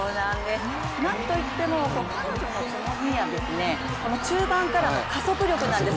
なんといっても彼女の強みは中盤からの加速力なんです。